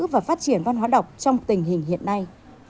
và phát triển văn hóa đọc trong tình hình hiện nay